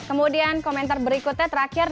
kemudian komentar berikutnya terakhir